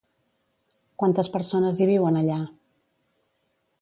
Quantes persones hi viuen allà?